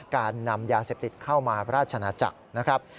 การนำยาเสพติดเข้ามาราชนาจักรนะครับ